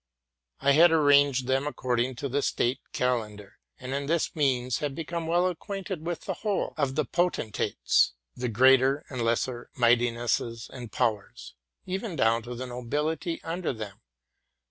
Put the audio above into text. I had arranged them according to the State Calendar,'' and by this means had become well acquainted with the whole of the potentates, the greater and lesser mightinesses and powers, even down to the nobility under them.